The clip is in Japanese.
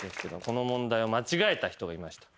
この問題を間違えた人がいました。